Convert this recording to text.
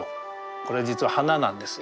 これ実は花なんですよ。